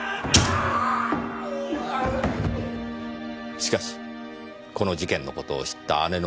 しかしこの事件の事を知った姉の町子さん。